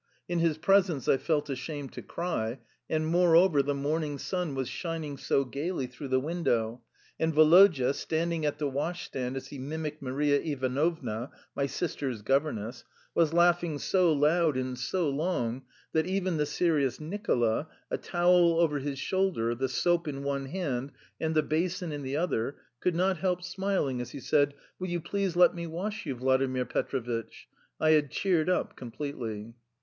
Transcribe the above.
In his presence I felt ashamed to cry, and, moreover, the morning sun was shining so gaily through the window, and Woloda, standing at the washstand as he mimicked Maria Ivanovna (my sister's governess), was laughing so loud and so long, that even the serious Nicola a towel over his shoulder, the soap in one hand, and the basin in the other could not help smiling as he said, "Will you please let me wash you, Vladimir Petrovitch?" I had cheered up completely.